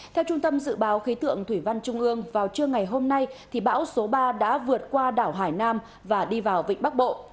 theo trung tâm dự báo khí tượng thủy văn trung ương vào trưa ngày hôm nay bão số ba đã vượt qua đảo hải nam và đi vào vịnh bắc bộ